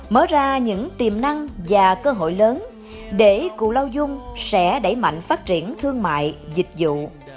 mở ra những tiềm năng và cơ hội lớn để cù lao dung sẽ đẩy mạnh phát triển thương mại dịch vụ